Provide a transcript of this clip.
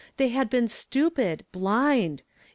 They had heon stupid, blind! It wa.